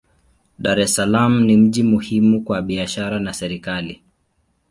Dar es Salaam ni mji muhimu kwa biashara na serikali.